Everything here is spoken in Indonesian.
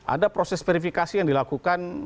ada proses verifikasi yang dilakukan